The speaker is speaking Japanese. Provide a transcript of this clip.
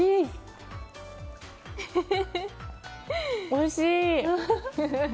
おいしい！